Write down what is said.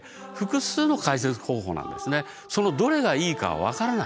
そのどれがいいかは分からない。